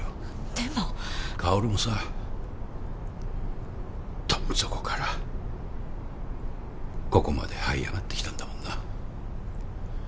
でも香もさどん底からここまではい上がってきたんだもんな